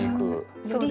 そうですね。